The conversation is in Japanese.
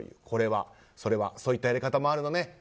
これは、それはそういったやり方もあるのね。